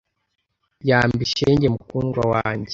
Yambi shenge mukundwa wanjye